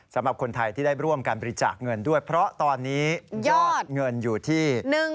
สำหรับคนไทยที่ได้ร่วมการบริจาคเงินด้วยเพราะตอนนี้ยอดเงินอยู่ที่